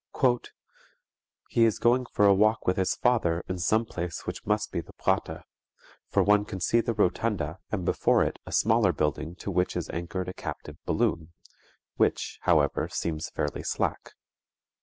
"He is going for a walk with his father in some place which must be the Prater, _for one can see the rotunda and before it a smaller building to which is anchored a captive balloon, which, however, seems fairly slack.